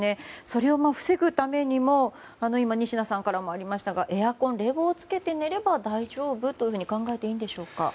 それを防ぐためにも仁科さんからもありましたがエアコン、冷房をつけて寝れば大丈夫と考えていいんでしょうか？